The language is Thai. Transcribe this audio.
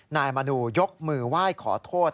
นายมนูยกมือไหว้ขอโทษ